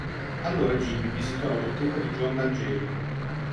Allora Jimmy visitò la bottega di John D'Angelico.